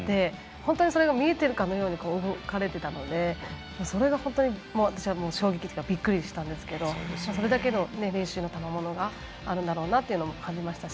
本当に見えているかのように動かれていたのでそれが本当に私は衝撃というかびっくりしたんですけどそれだけ練習のたまものがあるだろうなと感じましたし。